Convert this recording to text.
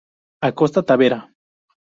Acosta, Tavera.